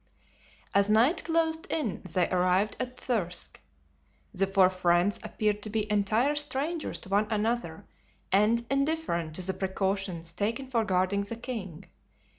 As night closed in they arrived at Thirsk. The four friends appeared to be entire strangers to one another and indifferent to the precautions taken for guarding the king.